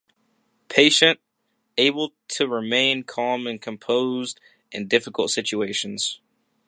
Patient - able to remain calm and composed in difficult situations.